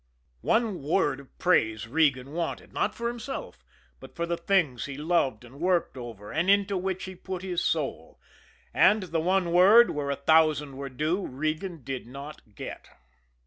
One word of praise Regan wanted, not for himself, but for the things he loved and worked over and into which he put his soul. And the one word, where a thousand were due, Regan did not get.